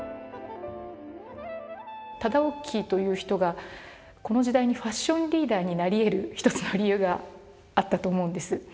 忠興という人がこの時代にファッションリーダーになりえる一つの理由があったと思うんです。